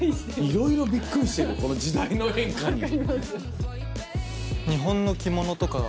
いろいろビックリしてるこの時代の変化に。